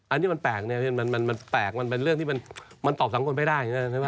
อันนี้มันแปลกแล้วมันตอบสังคมไม่ได้